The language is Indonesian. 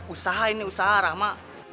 usaha ini usaha rahma